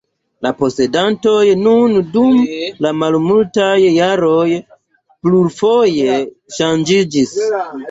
La posedantoj nun dum malmultaj jaroj plurfoje ŝanĝiĝis.